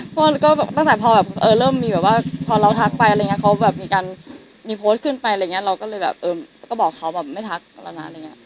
เพราะตั้งแต่พอเราทักไปมีโพสต์ขึ้นไปเราก็บอกเขาไม่ทักแล้วนะ